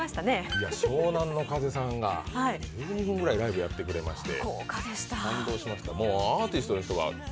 いや、湘南乃風さんがライブやってくれまして。